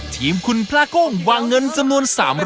ทีมคุณพระกุ้งวางเงินจำนวน๓๐๐